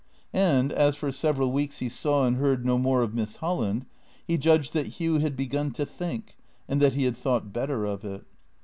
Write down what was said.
And, as for several weeks he saw and heard no more of Miss Holland, he judged that Hugh had begun to think, and that he had thought better of it.